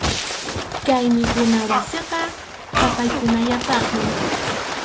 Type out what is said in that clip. Kay mikhuna wasiqa qhapaqkunallapaqmi.